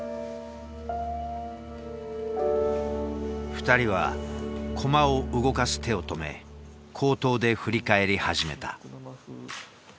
２人は駒を動かす手を止め口頭で振り返り始めた。